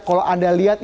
kalau anda lihat ini